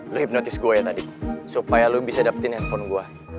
lo hipnotis gue ya tadi supaya lo bisa dapetin handphone gue